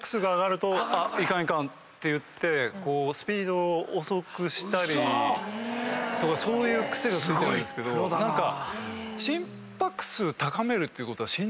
ていってスピードを遅くしたりとかそういう癖がついてるんですけど何か。